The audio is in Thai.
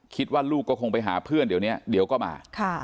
คิดว่าลูกก็คงไปหาเพื่อนเดี๋ยวนี้เดี๋ยวก็มา